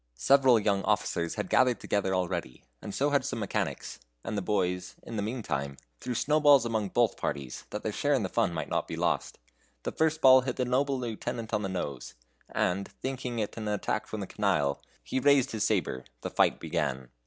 Several young officers had gathered together already, and so had some mechanics; and the boys, in the meantime, threw snowballs among both parties, that their share in the fun might not be lost. The first ball hit the noble lieutenant on the nose, and thinking it an attack from the canaille, he raised his sabre. The fight began.